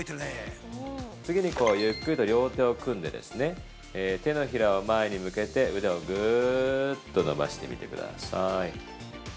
次に、ゆっくりと両手を組んで手のひらを前に向けて腕をぐーっと伸ばしてみてください。